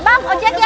bang ojek ya